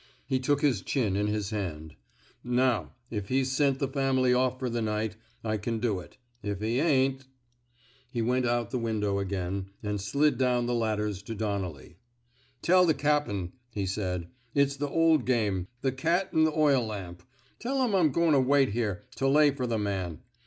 He took his chin in his hand. '* Now, if he's sent the family off for the night, I can doit. If he ain't—" He went out the window again, and slid down the ladders to Donnelly. Tell the cap'n," he said, it's th' ol' game — the cat an' th' oil lamp. Tell 'm I'm goin' to wait here, to lay fer the man.